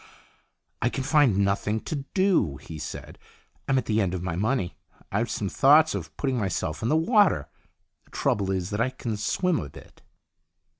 " I can find nothing to do," he said. " I'm at the end of my money. I've some thoughts of putting myself in the water. The trouble is that I can swim a bit."